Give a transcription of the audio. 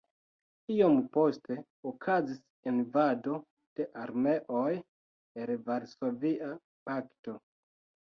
Iom poste okazis invado de armeoj el Varsovia Pakto.